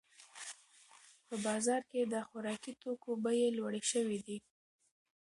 په بازار کې د خوراکي توکو بیې لوړې شوې دي.